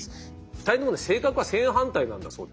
２人の性格は正反対なんだそうです。